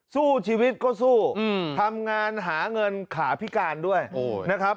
สู้ชีวิตก็สู้ทำงานหาเงินขาพิการด้วยนะครับ